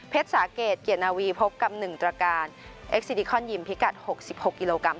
สาเกตเกียรตินาวีพบกับ๑ตรการเอ็กซิดิคอนยิมพิกัด๖๖กิโลกรัม